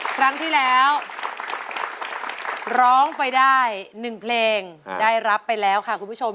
ครั้งที่แล้วร้องไปได้๑เพลงได้รับไปแล้วค่ะคุณผู้ชม